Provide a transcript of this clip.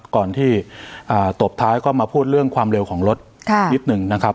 ก่อนที่ตบท้ายก็มาพูดเรื่องความเร็วของรถนิดหนึ่งนะครับ